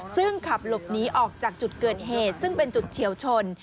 ซึ่งขับหลบหนีออกจากจุดเกิดเหตุซึ่งเป็นจุดเฉียวชน